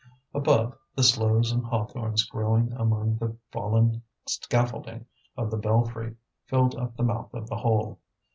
Above, the sloes and hawthorns growing among the fallen scaffolding of the belfry filled up the mouth of the hole.